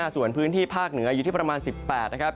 ส่วนพื้นที่ภาคเหนืออยู่ที่ประมาณ๑๘นะครับ